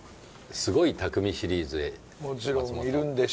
すごい匠シリーズへ。